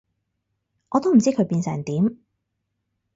我都唔知佢變成點